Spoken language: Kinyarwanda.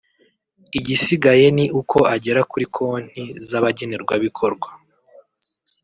igisigaye ni uko agera kuri konti z’abagenerwabikorwa